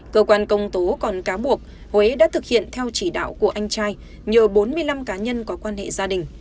cơ quan công tố còn cáo buộc huế đã thực hiện theo chỉ đạo của anh trai nhờ bốn mươi năm cá nhân có quan hệ gia đình